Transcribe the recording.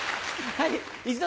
はい。